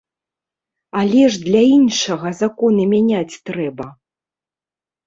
Але ж для іншага законы мяняць трэба!